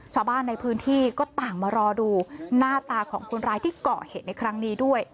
ชาวบ้านในพื้นที่ก็ต่างมารอดูหน้าตาของคนร้ายที่เกาะเหตุในครั้งนี้ด้วย